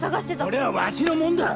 これはわしのもんだ。